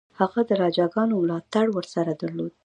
هغه د راجاګانو ملاتړ ورسره درلود.